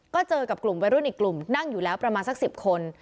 ก็เจอกับกลุ่มวัยรุ่นอีกกลุ่มนั่งอยู่แล้วประมาณสัก๑๐คน